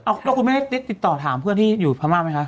แล้วคุณแม่ได้ติดต่อถามเพื่อนที่อยู่พม่าไหมคะ